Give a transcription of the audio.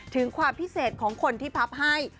ถึงความพิเศษของคนที่พับให้